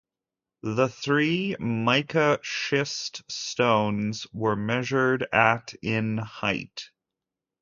The three mica schist stones were measured at in height.